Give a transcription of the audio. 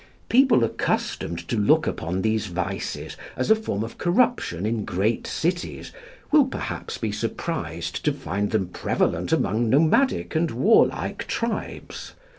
People accustomed to look upon these vices as a form of corruption in great cities will perhaps be surprised to find them prevalent among nomadic and warlike tribes.